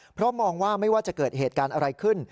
เพราะมองว่าไม่ว่าจะเกิดเหตุการณ์อะไรขึ้น